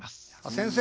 先生